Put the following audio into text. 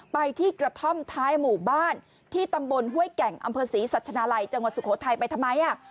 ไปที่กระท่อมท้ายหมู่บ้านที่ตำบลห้วยแก่งอำเภอศรีสัชนาลัยจังหวัดสุโขทัยไปทำไม